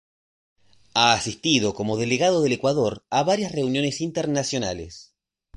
Ha asistido como delegado del Ecuador a varias reuniones internacionales.